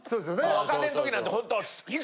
若手の時なんてほんと。